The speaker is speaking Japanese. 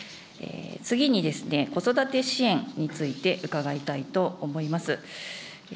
次にですね、子育て支援について伺いたいと思います。